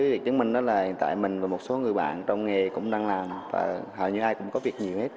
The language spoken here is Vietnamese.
thì chứng minh đó là hiện tại mình và một số người bạn trong nghề cũng đang làm và hầu như ai cũng có việc nhiều hết